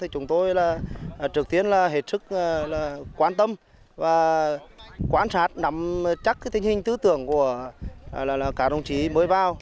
chúng tôi là quan tâm và quan sát nắm chắc tình hình tư tưởng của các đồng chí mới vào